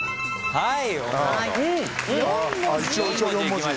はい。